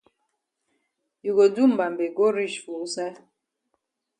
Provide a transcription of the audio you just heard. You go do mbambe go reach for wusaid?